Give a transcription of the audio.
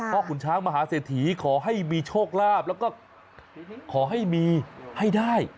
ขุนช้างมหาเศรษฐีขอให้มีโชคลาภแล้วก็ขอให้มีให้ได้